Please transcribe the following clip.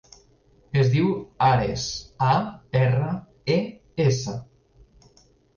Es diu Ares: a, erra, e, essa.